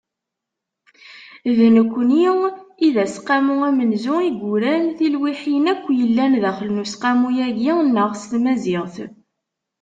D nekkni i d Aseqqamu amenzu i yuran tilwiḥin akk yellan daxel n Useqqamu-agi-nneɣ s tmaziɣt.